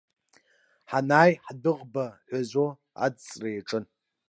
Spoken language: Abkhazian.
Ҳанааи ҳдәыӷба ҳәазо адҵра иаҿын.